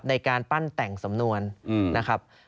ในการปั้นแต่งสำนวนนะครับ